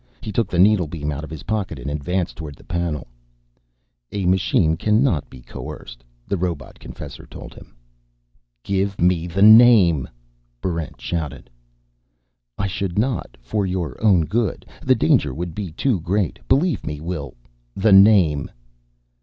He took the needlebeam out of his pocket and advanced toward the panel. "A machine cannot be coerced," the robot confessor told him. "Give me the name!" Barrent shouted. "I should not, for your own good. The danger would be too great. Believe me, Will...." "The name!"